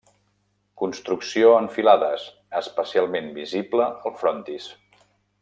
Construcció en filades, especialment visible al frontis.